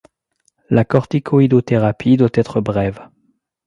La corticoïdothérapie doit être brève.